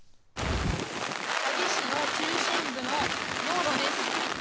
萩市の中心部の道路です。